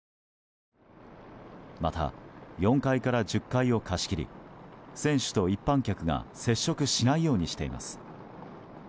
また、４階から１０階を貸し切り選手と一般客が接触しないようにしています。